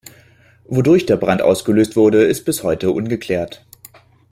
Wodurch der Brand ausgelöst wurde, ist bis heute ungeklärt.